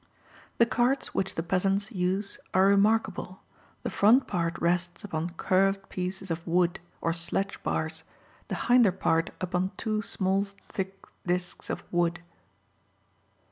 The carts which the peasants use are remarkable, the front part rests upon curved pieces of wood, or sledge bars; the hinder part upon two small thick discs of wood.